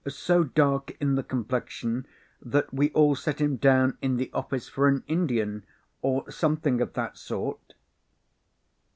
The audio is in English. So dark in the complexion that we all set him down in the office for an Indian, or something of that sort."